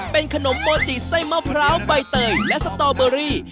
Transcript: เป็นขนมโมจิไส้มะพร้าวใบเตยและสตอเบอรี่